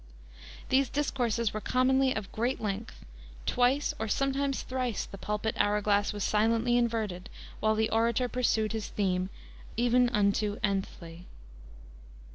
These discourses were commonly of great length; twice, or sometimes thrice, the pulpit hour glass was silently inverted while the orator pursued his theme even unto n'thly.